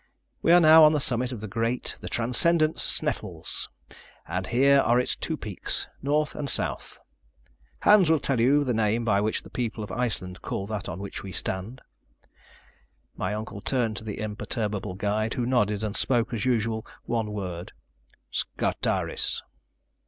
We are now on the summit of the great, the transcendent Sneffels, and here are its two peaks, north and south. Hans will tell you the name by which the people of Iceland call that on which we stand." My uncle turned to the imperturbable guide, who nodded, and spoke as usual one word. "Scartaris."